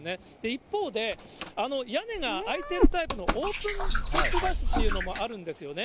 一方で、屋根が開いてるタイプのオープントップバスっていうのもあるんですよね。